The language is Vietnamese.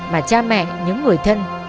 mà cha mẹ những người thân